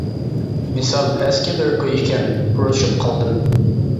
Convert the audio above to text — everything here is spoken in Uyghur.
مىسال:-ئەسكى بىر گۇي ئىكەن، ئۇرۇشۇپ قالدىم.